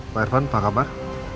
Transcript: pak irfan apa kabar